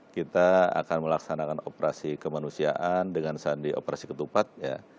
kita akan melaksanakan operasi kemanusiaan dengan sandi operasi ketupat ya